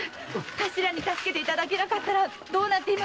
頭に助けていただけなかったらどうなっていましたか。